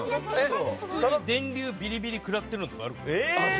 電流ビリビリくらってるのとかもある。